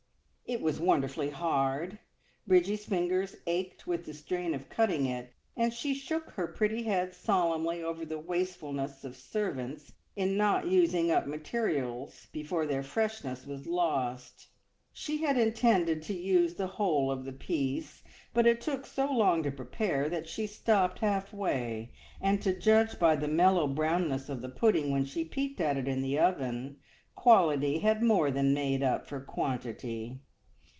It was wonderfully hard; Bridgie's fingers ached with the strain of cutting it, and she shook her pretty head solemnly over the wastefulness of servants in not using up materials before their freshness was lost. She had intended to use the whole of the piece, but it took so long to prepare that she stopped half way, and to judge by the mellow brownness of the pudding when she peeped at it in the oven, quality had more than made up for quantity.